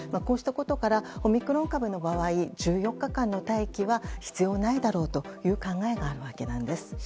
こうしたことからオミクロン株の場合１４日間の待機は必要ないだろうという考えがあるわけなんです。